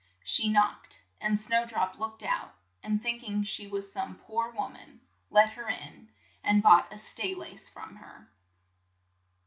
She knocked, and Snow drop looked out and think ing she was some poor wom an, let her in, and bought a stay lace from her.